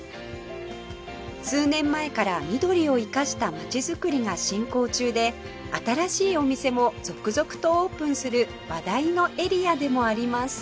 数年前から緑を生かした街づくりが進行中で新しいお店も続々とオープンする話題のエリアでもあります